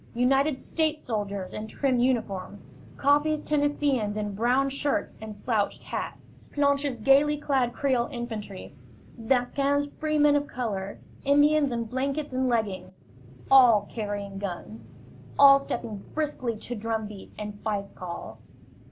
United States soldiers in trim uniforms; Coffee's Tennesseeans in brown shirts and slouched hats; Planche's gaily clad Creole infantry; D'Aquin's freemen of color; Indians in blankets and leggings all carrying guns, all stepping briskly to drumbeat and fife call.